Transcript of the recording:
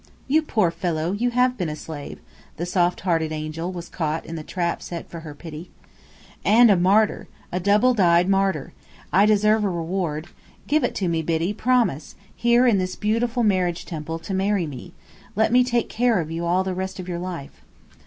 "You poor fellow, you have been a slave!" The soft hearted angel was caught in the trap set for her pity. "And a martyr. A double dyed martyr. I deserve a reward. Give it to me, Biddy. Promise, here in this beautiful Marriage Temple, to marry me. Let me take care of you all the rest of your life."